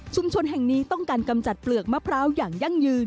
แห่งนี้ต้องการกำจัดเปลือกมะพร้าวอย่างยั่งยืน